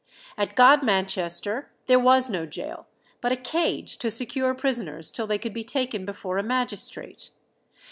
At Godmanchester there was no gaol, but a cage to secure prisoners till they could be taken before a magistrate.